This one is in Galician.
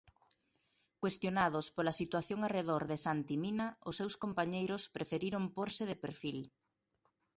Cuestionados pola situación arredor de Santi Mina, os seus compañeiros preferiron pórse de perfil.